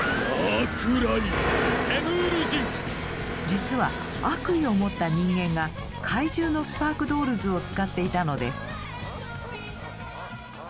実は悪意を持った人間が怪獣のスパークドールズを使っていたのです。